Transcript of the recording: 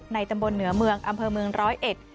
ตำบลเหนือเมืองอำเภอเมืองร้อยเอ็ด